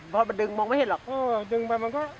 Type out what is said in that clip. พอมันดึงมองไม่เห็นหรอก